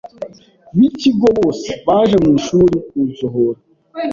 b’ikigo bose baje mu ishuri kunsohora